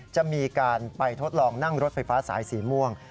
จะมีการไปทดลองนั่งรถไฟฟ้าสายสีม่วง